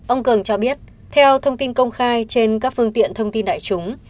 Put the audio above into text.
ông cường cho biết theo thông tin công khai trên các phương tiện thông tin đại chúng